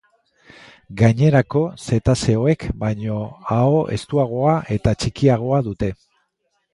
Gainerako zetazeoek baino aho estuagoa eta txikiagoa dute.